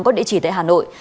có địa chỉ tại hà nội